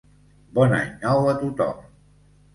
Bon any nou a tothom!